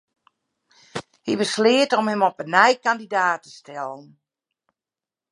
Hy besleat om him op 'e nij kandidaat te stellen.